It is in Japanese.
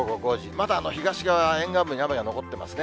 まだ東側、沿岸部に雨が残ってますね。